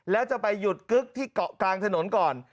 และจะไปหยุดกึ๊กที่กลางถนนก่อน